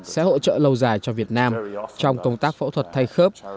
sẽ hỗ trợ lâu dài cho việt nam trong công tác phẫu thuật thay khớp